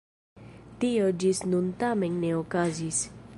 Tio ĝis nun tamen ne okazis.